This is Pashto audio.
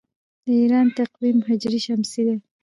د ایران تقویم هجري شمسي دی.